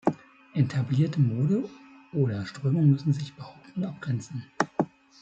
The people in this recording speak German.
Etablierte Moden oder Strömungen müssen sich behaupten und abgrenzen.